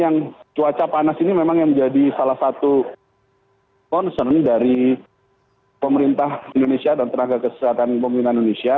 yang cuaca panas ini memang yang menjadi salah satu concern dari pemerintah indonesia dan tenaga kesehatan pemerintah indonesia